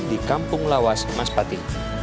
di kampung lawas maspati